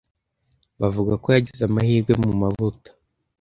Bavuga ko yagize amahirwe mu mavuta.